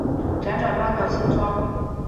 辗转搬到新庄